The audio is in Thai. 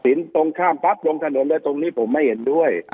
ตรงข้ามปั๊บลงถนนเลยตรงนี้ผมไม่เห็นด้วย